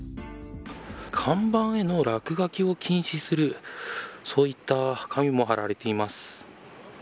看板への落書きを禁止するそういった紙も貼られています。